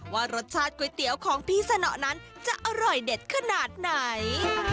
ว่ารสชาติก๋วยเตี๋ยวของพี่สนอนั้นจะอร่อยเด็ดขนาดไหน